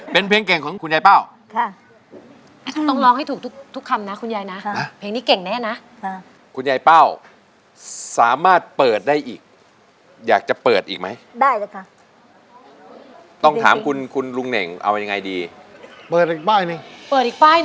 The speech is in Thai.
เพลงเก่งเพลงอะไรจ๊ะคุณยาย